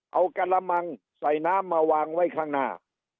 เอากระมังใส่น้ำมาวางไว้ข้างหน้า